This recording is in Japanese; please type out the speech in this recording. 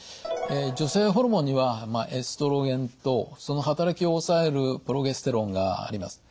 女性ホルモンにはエストロゲンとその働きを抑えるプロゲステロンがあります。